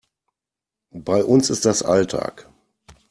Bei uns ist das Alltag.